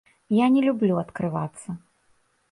Я не люблю адкрывацца.